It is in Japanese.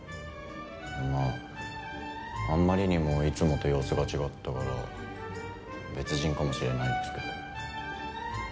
まああんまりにもいつもと様子が違ったから別人かもしれないですけど。